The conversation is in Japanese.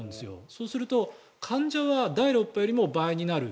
そうすると患者は第６波よりも倍になる。